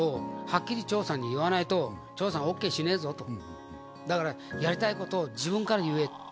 「はっきり長さんに言わないと長さんオーケーしねえぞ」と「だからやりたいことを自分から言え」